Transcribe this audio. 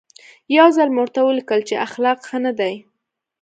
یو ځل مې ورته ولیکل چې اخلاق ښه نه دي.